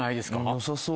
よさそう。